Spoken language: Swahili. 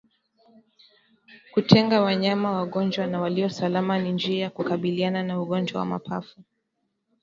Kutenga wanyama wagonjwa na walio salama ni njia ya kukabiliana na ugonjwa wa mapafu